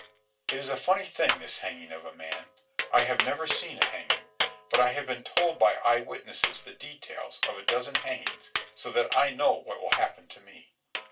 It is a funny thing, this hanging of a man. I have never seen a hanging, but I have been told by eye witnesses the details of a dozen hangings so that I know what will happen to me.